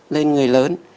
lên người lớn